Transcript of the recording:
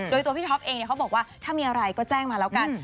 โดยตัวพี่ท็อปเองเขาบอกว่าถ้ามีอะไรก็แจ้งมาแล้วกัน